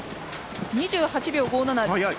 ２８秒５７。